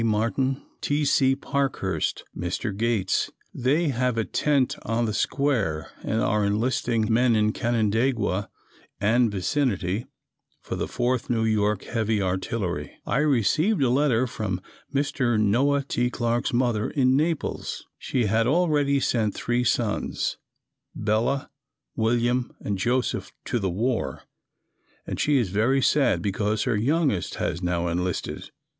Martin, T. C. Parkhurst, Mr. Gates. They have a tent on the square and are enlisting men in Canandaigua and vicinity for the 4th N. Y. Heavy Artillery. I received a letter from Mr. Noah T. Clarke's mother in Naples. She had already sent three sons, Bela, William and Joseph, to the war and she is very sad because her youngest has now enlisted.